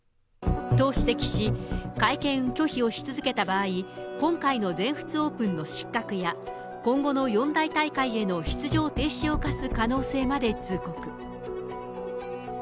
と指摘し、会見拒否をし続けた場合、今回の全仏オープンの失格や、今後の四大大会への出場停止を科す可能性まで通告。